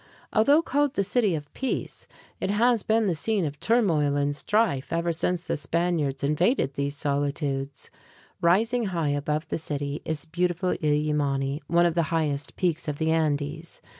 Although called the City of Peace, it has been the scene of turmoil and strife ever since the Spaniards invaded these solitudes. Rising high above the city is beautiful Illimani, one of the highest peaks of the Andes.